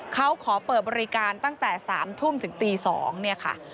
เขาขอเปิดบริการตั้งแต่๓ทุ่มถึงตี๒เนี่ยค่ะ